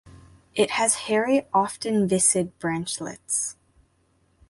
It has hairy often viscid branchlets.